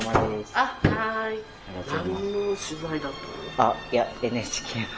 あっいやＮＨＫの。